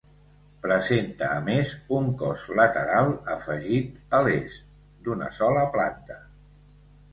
Presenta a més, un cos lateral afegit a l'Est, d'una sola planta.